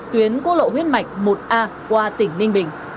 tuyến quốc lộ huyết mạch một a qua tỉnh ninh bình